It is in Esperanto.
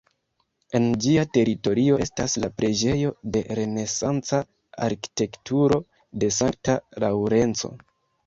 En ĝia teritorio estas la preĝejo de renesanca arkitekturo de sankta Laŭrenco.